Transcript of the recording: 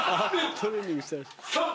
トレーニングしてらっしゃる。